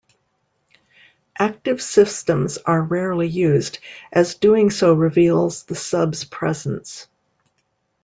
Active systems are rarely used, as doing so reveals the sub's presence.